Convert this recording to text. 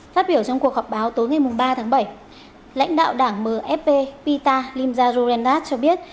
phát biểu trong cuộc họp báo tối ngày ba tháng bảy lãnh đạo đảng mfp pita limjaro rendat cho biết